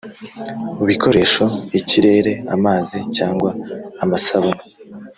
bikoresha ikirere amazi cyangwa amasabune